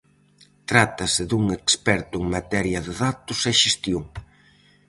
Trátase dun experto en materia de datos e xestión.